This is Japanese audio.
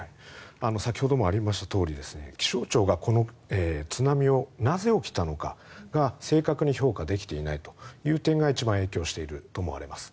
先ほどもありましたとおり気象庁が、この津波をなぜ起きたのかが正確に評価できていないという点が一番影響していると思われます。